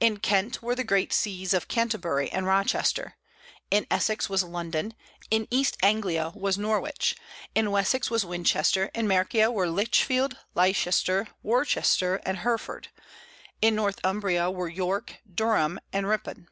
In Kent were the great sees of Canterbury and Rochester; in Essex was London; in East Anglia was Norwich; in Wessex was Winchester; in Mercia were Lichfield, Leicester, Worcester, and Hereford; in Northumbria were York, Durham, and Ripon.